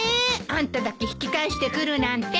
あんただけ引き返してくるなんて。